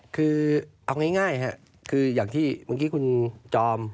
คือเอาง่ายคืออย่างที่เมื่อกี้คุณจอม